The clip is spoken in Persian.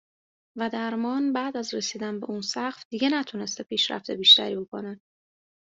و درمان بعد از رسیدن به اون سقف دیگه نتونسته پیشرفت بیشتری بکنه.